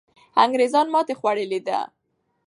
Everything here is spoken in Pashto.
انګریزان ماتې خوړلې ده.